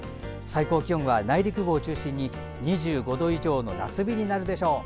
最高気温は内陸部を中心に２５度以上の夏日になるでしょう。